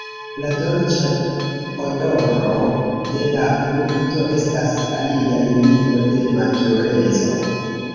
La dolĉa odoro de la frukto estas alia indiko de matureco.